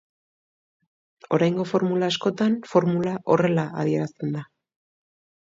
Oraingo formula askotan formula horrela adierazten da.